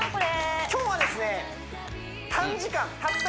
今日はですね